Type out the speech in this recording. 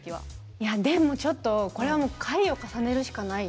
でもちょっと、これは回を重ねるしかない。